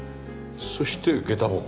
そして下駄箱。